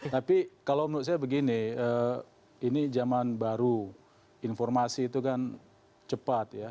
tapi kalau menurut saya begini ini zaman baru informasi itu kan cepat ya